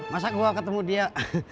masa gua ketemu dia